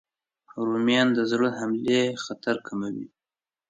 رومیان د زړه حملې خطر کموي